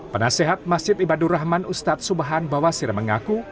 penasehat masjid ibadur rahman ustadz subhan bawasir mengaku